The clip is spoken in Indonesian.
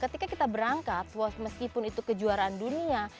ketika kita berangkat meskipun itu kejuaraan dunia